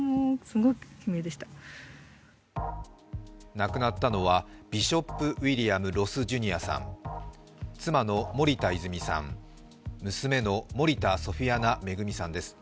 亡くなったのはビショップ・ウィリアム・ロス・ジュニアさん妻の森田泉さん、娘の森田ソフィアナ恵さんです。